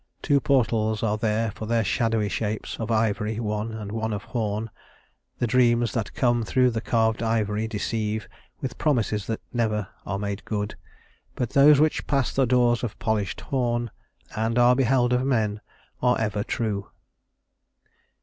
Two portals are there for their shadowy shapes, Of ivory one, and one of horn. The dreams That come through the carved ivory deceive With promises that never are made good; But those which pass the doors of polished horn, And are beheld of men, are ever true."